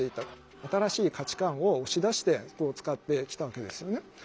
新しい価値観を押し出してこう使ってきたわけですよね。